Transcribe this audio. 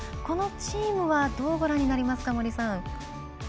このチームはどうご覧になりますか？